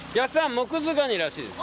モクズガニらしいです。